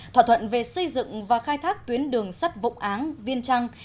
thỏa thuận về xây dựng và khai thác tuyến đường sắt vụng áng viên trăng